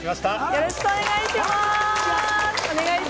よろしくお願いします！